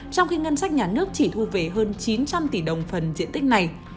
trong khi ngân sách nhà nước chỉ thu về hơn chín trăm linh tỷ đồng phần diện tích này